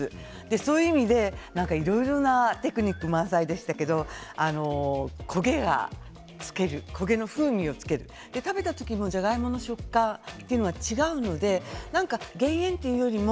そういう意味でいろいろなテクニック満載でしたけど焦げの風味をつける食べた時もじゃがいもの食感というのが違うので減塩というよりも。